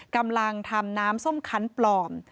กำลังทำน้ำส้มคันปลอม